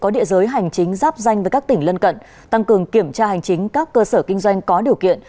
địa giới hành chính giáp danh với các tỉnh lân cận tăng cường kiểm tra hành chính các cơ sở kinh doanh có điều kiện